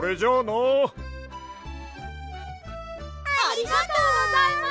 ありがとうございます！